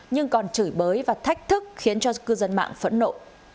nhưng còn chửi bới và thách thức khiến cho cư dân mạng phẫn nộ